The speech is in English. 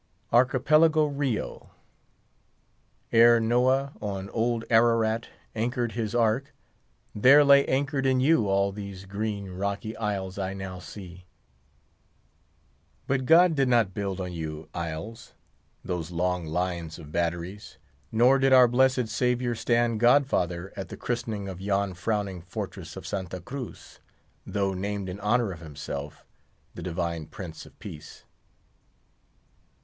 Archipelago Rio! ere Noah on old Ararat anchored his ark, there lay anchored in you all these green, rocky isles I now see. But God did not build on you, isles! those long lines of batteries; nor did our blessed Saviour stand godfather at the christening of yon frowning fortress of Santa Cruz, though named in honour of himself, the divine Prince of Peace!